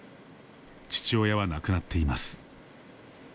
父親は亡くなっています。